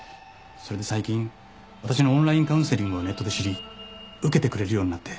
それで最近私のオンラインカウンセリングをネットで知り受けてくれるようになって。